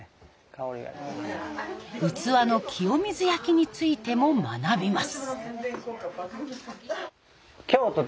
器の清水焼についても学びます。